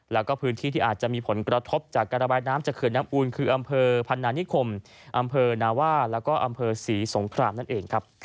แล้วก็พื้นที่ที่อาจจะมีผลกระทบจากการระบายน้ำจากเขื่อนน้ำอูนคืออำเภอพันนานิคมอำเภอนาว่าแล้วก็อำเภอศรีสงครามนั่นเองครับ